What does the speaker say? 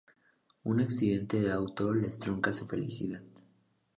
Un accidente de auto les trunca su felicidad.